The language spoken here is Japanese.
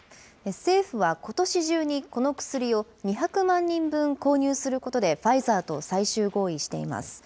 政府は、ことし中にこの薬を２００万人分購入することでファイザーと最終合意しています。